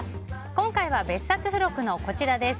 今回は別冊付録のこちらです。